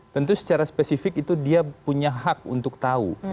tentu secara spesifik itu dia punya hak untuk tahu